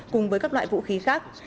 cùng với các loại vũ khí khác